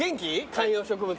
観葉植物。